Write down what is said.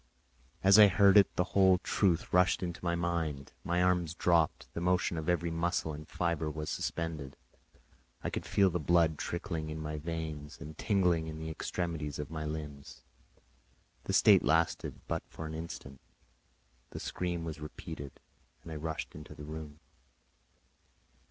As I heard it, the whole truth rushed into my mind, my arms dropped, the motion of every muscle and fibre was suspended; I could feel the blood trickling in my veins and tingling in the extremities of my limbs. This state lasted but for an instant; the scream was repeated, and I rushed into the room.